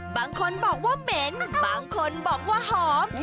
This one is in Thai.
บางคนบอกว่าเหม็นบางคนบอกว่าหอม